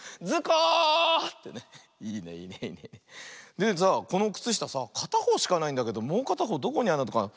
でさあこのくつしたさあかたほうしかないんだけどもうかたほうどこにあるのかな。